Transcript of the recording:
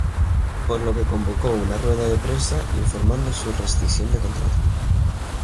Por lo que convocó una rueda de prensa informando su rescisión de contrato.